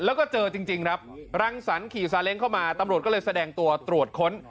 แล้วก็เจอจริงครับรังสรรคขี่ซาเล้งเข้ามาตำรวจก็เลยแสดงตัวตรวจค้น